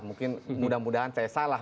mungkin mudah mudahan saya salah